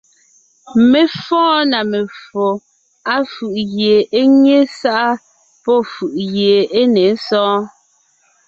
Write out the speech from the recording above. Mé fɔ́ɔn na meffo, áfʉ̀ʼ gie é nyé sáʼa pɔ́ fʉ̀ʼʉ gie é ne sɔɔn: